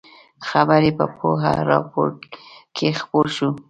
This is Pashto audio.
خبر یې په یوه راپور کې خپور شو.